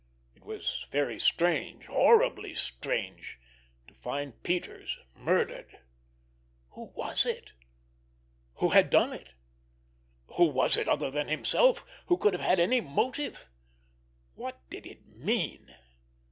It was very strange, horribly strange—to find Peters murdered! Who was it, who had done it? Who was it, other than himself, who could have had any motive? What did it mean?